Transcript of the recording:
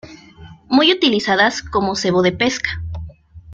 Muy utilizadas como cebo de pesca.